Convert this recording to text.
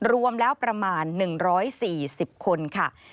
รวมแล้วประมาณ๑๔๐คนค่ะ